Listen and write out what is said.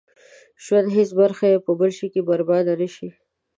ژوند هېڅ برخه يې په بل شي کې برباده نه شي.